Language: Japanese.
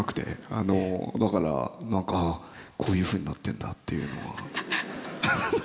あのだから何かああこういうふうになってんだっていうのは。